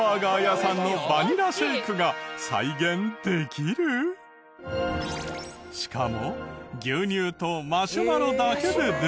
しかも牛乳とマシュマロだけでできるらしい。